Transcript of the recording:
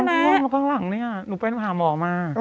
น้ำท่วมต้องมาข้างหลังเนี่ยหนูแปดไปอาหารหมอมา